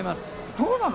そうなの？